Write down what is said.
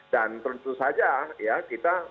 dan tentu saja ya kita